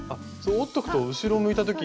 折っとくと後ろ向いた時に。